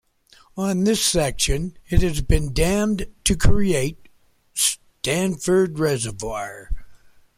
On this section, it has been dammed to create Stanford Reservoir.